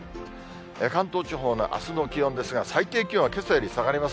関東地方のあすの気温ですが、最低気温はけさより下がります。